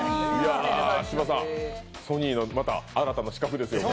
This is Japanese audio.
芝さん、ソニーからのまた新たな刺客ですよ。